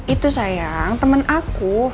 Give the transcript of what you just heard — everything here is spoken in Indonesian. itu sayang temen aku